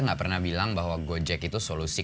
nggak pernah bilang bahwa gojek itu solusi